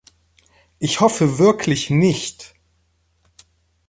Ich hoffe wirklich nicht!